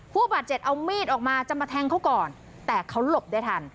ผู้บาดเจ็บเอามีดออกมาจะมาแทงเขาก่อนแต่เขาหลบได้ทัน